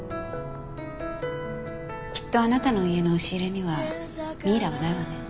きっとあなたの家の押し入れにはミイラはないわね。